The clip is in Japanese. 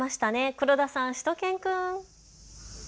黒田さん、しゅと犬くん。